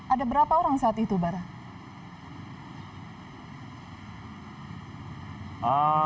ada berapa orang saat itu bara